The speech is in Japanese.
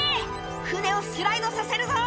「船をスライドさせるぞ！」